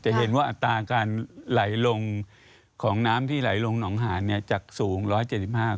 จะเห็นว่าอัตราการของน้ำที่ไหลลงหนองหานจากสูง๑๗๕ล้าน